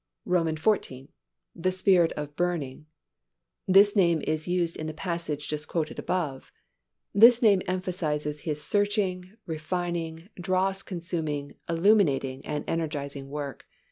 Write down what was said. XIV. The Spirit of Burning. This name is used in the passage just quoted above. (See XIII.) This name emphasizes His searching, refining, dross consuming, illuminating and energizing work.